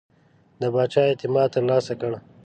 د پاچا اعتماد ترلاسه کړ.